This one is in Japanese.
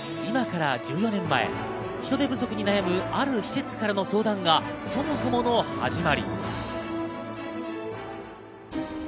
今から１４年前、人出不足に悩む、ある施設からの相談がそもそもの始まり。